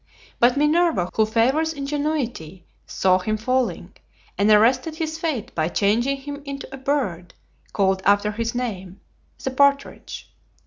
But Minerva, who favors ingenuity, saw him falling, and arrested his fate by changing him into a bird called after his name, the Partridge.